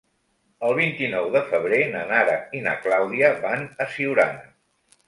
El vint-i-nou de febrer na Nara i na Clàudia van a Siurana.